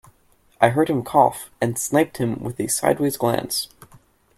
I heard him cough, and sniped him with a sideways glance.